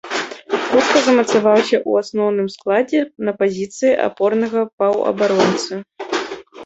Хутка замацаваўся ў асноўным складзе на пазіцыі апорнага паўабаронцы.